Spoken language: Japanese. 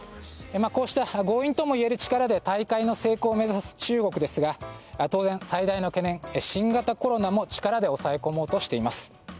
こうした強引ともいえる力で大会の成功を目指す中国ですが当然、最大の懸念新型コロナも力で抑え込もうとしています。